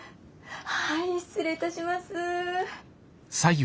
はい失礼いたします。